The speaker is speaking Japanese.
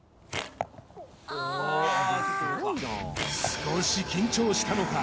少し緊張したのか？